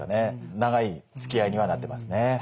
長いつきあいにはなってますね。